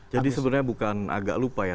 jadi sebenarnya bukan agak lupa ya